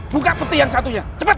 buka peti yang satunya cepat